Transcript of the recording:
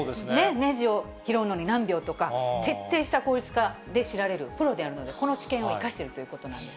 ねじを拾うのに何秒とか、徹底した効率化で知られるプロであるので、この知見を生かしているということなんです。